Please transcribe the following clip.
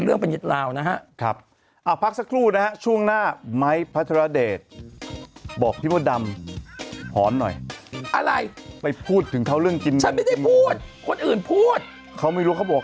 เอล่ะไปนิดเดียวไหมก็ไม่เกี่ยว